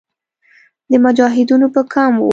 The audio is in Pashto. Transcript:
د مجاهدینو به کم وو.